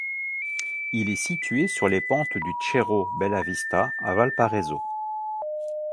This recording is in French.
Il est situé sur les pentes du cerro Bellavista à Valparaíso.